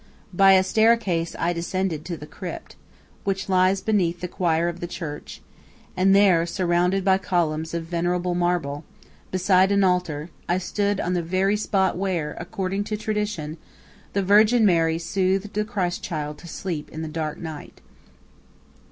By a staircase I descended to the crypt, which lies beneath the choir of the church, and there, surrounded by columns of venerable marble, beside an altar, I stood on the very spot where, according to tradition, the Virgin Mary soothed the Christ Child to sleep in the dark night.